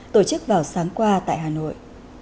tổ chức vào sáng qua tại hà nội